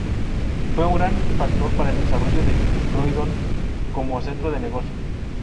Fue un gran factor para el desarrollo de Croydon como centro de negocios.